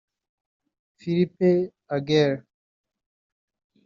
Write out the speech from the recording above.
Philip Aguer